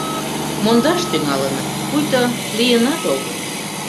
Мондаш тӱҥалыныт, пуйто лийынат огыл.